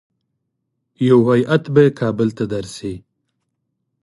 یو هیات به کابل ته درسي.